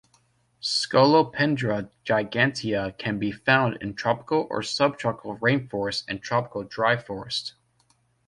"Scolopendra gigantea" can be found in tropical or sub-tropical rainforest and tropical dry forest.